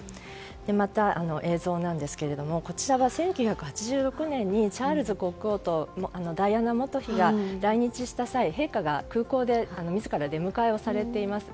また、映像なんですがこちらは１９８６年にチャールズ国王とダイアナ元妃が来日した際陛下が空港で自ら出迎えをされています。